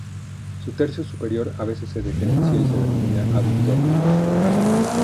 Su tercio superior a veces se diferencia y se denomina aductor mínimo.